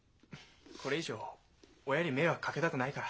これ以上親に迷惑かけたくないから。